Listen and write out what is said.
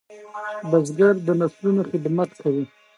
بزګر د نسلونو خدمت کوي